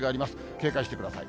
警戒してください。